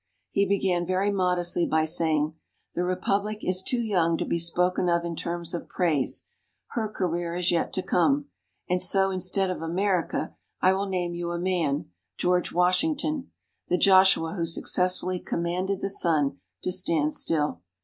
He began very modestly by saying: "The Republic is too young to be spoken of in terms of praise; her career is yet to come, and so, instead of America, I will name you a man, George Washington the Joshua who successfully commanded the sun to stand still."